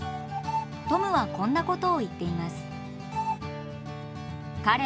トムはこんなことを言っています。